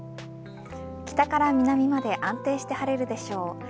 北から南まで安定して晴れるでしょう。